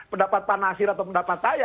pendapat pak nasir atau pendapat saya